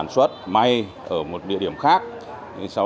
người phát hiện bắt giữ